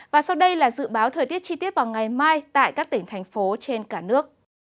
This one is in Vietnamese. và sau đây là dự báo thời tiết chi tiết vào ngày mai tại các tỉnh thành phố trên cả nước